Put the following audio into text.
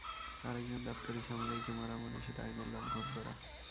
আর একজন দাপ্তরিক সামুরাইকে মারা মানে, সেটা আইনের লঙ্ঘন করা।